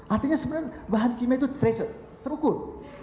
artinya sebenarnya bahan kimia itu terukur